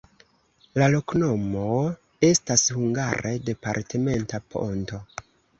La loknomo estas hungare: departementa-ponto.